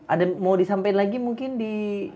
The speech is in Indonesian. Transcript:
ada mau disampaikan lagi mungkin di